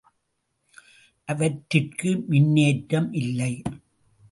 அவற்றிற்கு மின்னேற்றம் இல்லை.